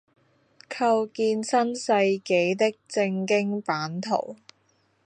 構建新世紀的政經版圖